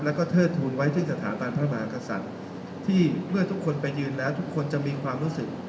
แล้วก็เทิดทูลไว้ที่สถาบันพระมหากษัตริย์ที่เมื่อทุกคนไปยืนแล้วทุกคนจะมีความรู้สึก